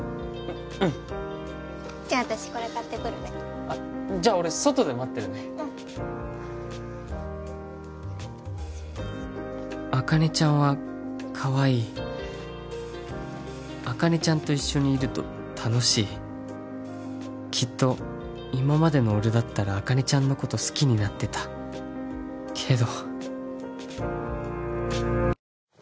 うんじゃあ私これ買ってくるねじゃあ俺外で待ってるねうん茜ちゃんはかわいい茜ちゃんと一緒にいると楽しいきっと今までの俺だったら茜ちゃんのこと好きになってたけど